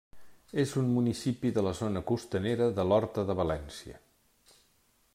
És un municipi de la zona costanera de l'Horta de València.